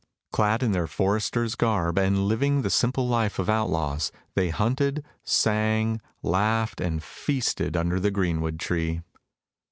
Clad in their foresters' garb, and living the simple life of outlaws, they hunted, sang, laughed, and feasted under the greenwood tree.